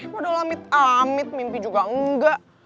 waduh amit amit mimpi juga enggak